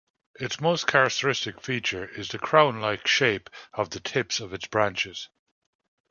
Its most characteristic feature is the crown-like shape of the tips of its branches.